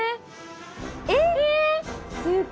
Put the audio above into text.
えっ！